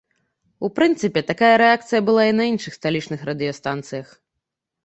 У прынцыпе, такая рэакцыя была і на іншых сталічных радыёстанцыях.